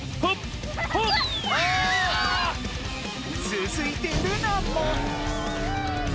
つづいてルナも！